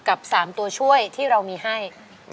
กับ๓ตัวช่วยที่เรามีให้